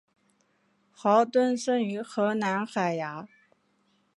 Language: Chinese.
豪敦生于荷兰海牙。